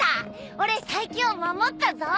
俺最強守ったぞ！